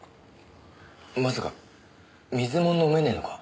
まさか水も飲めねぇのか？